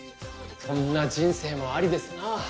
そんな人生もありですなぁ。